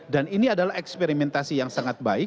dan ini adalah eksperimentasi yang sangat baik